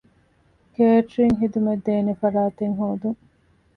ކޭޓްރިންގ ޚިދުމަތްދޭނެ ފަރާތެއް ހޯދުން